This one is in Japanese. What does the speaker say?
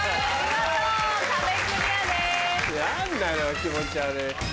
気持ち悪い。